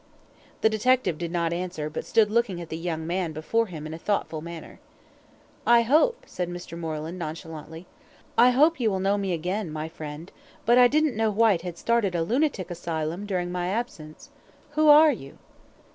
The detective did not answer, but stood looking at the young man before him in a thoughtful manner. "I hope," said Mr. Moreland, nonchalantly, "I hope you will know me again, my friend, but I didn't know Whyte had started a lunatic asylum during my absence. Who are you?"